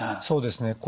そうですね。